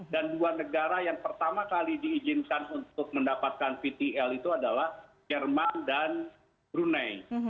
dan dua negara yang pertama kali diizinkan untuk mendapatkan vtl itu adalah jerman dan brunei